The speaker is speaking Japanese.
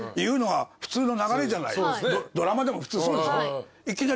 ドラマでも普通そうでしょ？